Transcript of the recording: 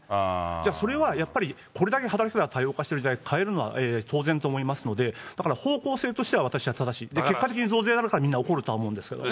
じゃあそれはやっぱり、これだけ働き方が多様化してる時代、変えるのは当然と思いますので、だから方向性としては私は正しい、結果的に増税あるからみんなおこると思うんですけどね。